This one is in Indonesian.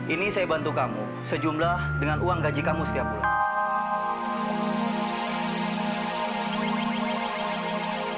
ini saya bantu kamu sejumlah dengan uang gaji kamu setiap bulan